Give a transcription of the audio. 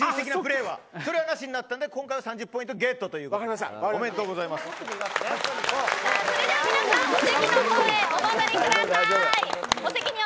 今回は３０ポイントゲットということでそれでは皆さんお席の方にお戻りください。